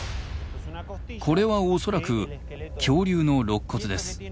これは恐らく恐竜のろっ骨です。